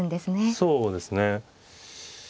そうですね。